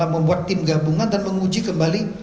membuat tim gabungan dan menguji kembali